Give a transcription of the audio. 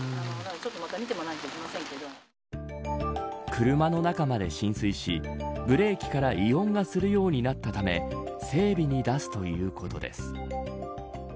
車の中まで浸水しブレーキから異音がするようになったため整備に出すということです。